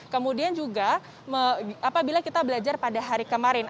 kemudian juga apabila kita belajar pada hari kemarin